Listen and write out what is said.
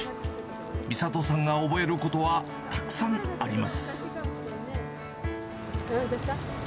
美里さんが覚えることはたくさんあります。